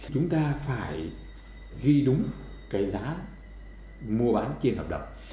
chúng ta phải ghi đúng cái giá mua bán trên hợp đồng